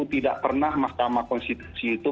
tidak pernah mahkamah konstitusi itu